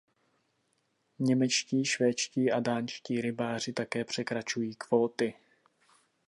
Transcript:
Němečtí, švédští a dánští rybáři také překračují kvóty.